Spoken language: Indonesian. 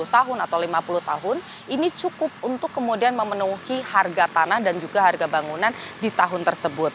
sepuluh tahun atau lima puluh tahun ini cukup untuk kemudian memenuhi harga tanah dan juga harga bangunan di tahun tersebut